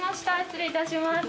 失礼いたします。